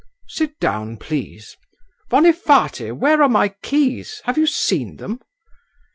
"Sit down, please. Vonifaty, where are my keys, have you seen them?"